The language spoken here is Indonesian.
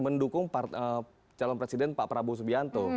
mendukung calon presiden pak prabowo subianto